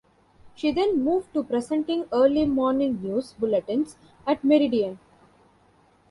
She then moved to presenting early morning news bulletins at Meridian.